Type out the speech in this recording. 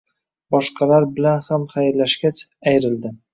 boshqalar bilan ham xayrlashgach, ayrildi.